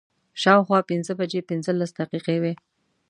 شا او خوا پنځه بجې پنځلس دقیقې وې.